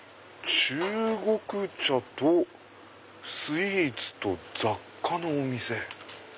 「中国茶とスイーツと雑貨のお店」。